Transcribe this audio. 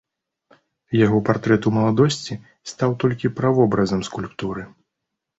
Яго партрэт у маладосці стаў толькі правобразам скульптуры.